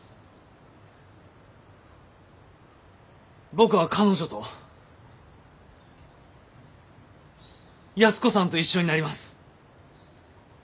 僕は彼女と安子さんと一緒になります。